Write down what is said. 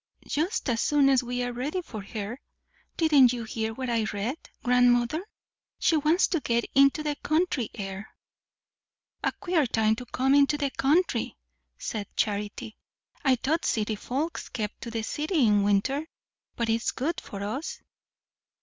"Just as soon as we are ready for her; didn't you hear what I read, grandmother? She wants to get into the country air." "A queer time to come into the country!" said Charity. "I thought city folks kept to the city in winter. But it's good for us."